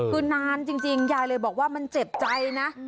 คือนานจริงยายเลยบอกว่ามันเจ็บใจนะ